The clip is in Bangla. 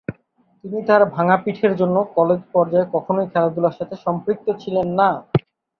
তিনি তার ভাঙ্গা পিঠের জন্য কলেজ পর্যায়ে কখনোই খেলাধুলার সাথে সম্পৃক্ত ছিলেন না।